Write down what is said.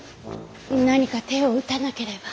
何か手を打たなければ。